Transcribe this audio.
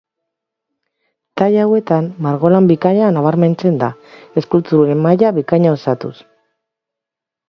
Taila hauetan margolan bikaina nabarmentzen da, eskulturen maila bikaina osatuz.